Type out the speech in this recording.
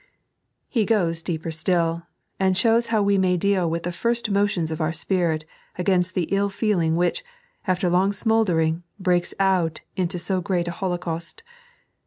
He goes deeper still, and shows how we may deal with the first motions of our spirit against the ill feeling which, after long smouldering, breaks out into so great a holocaust.